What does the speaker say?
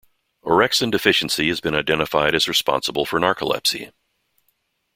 Orexin deficiency has been identified as responsible for narcolepsy.